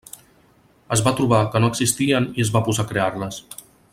Es va trobar que no existien i es va posar a crear-les.